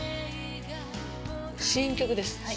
新曲です